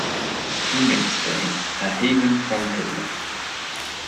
He made Spain "a haven from Hitler".